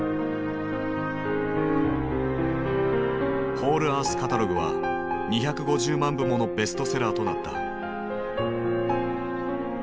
「ホールアースカタログ」は２５０万部ものベストセラーとなった。